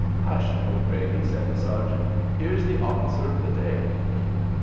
"Hush, O'Grady," said the sergeant: "here's the officer of the day."